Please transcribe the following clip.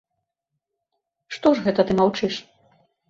Што ж ты гэта маўчыш?